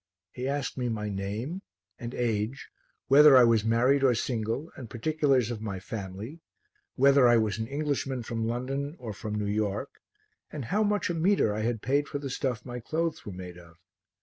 He asked me my name and age, whether I was married or single and particulars of my family, whether I was an Englishman from London or from New York and how much a metre I had paid for the stuff my clothes were made of.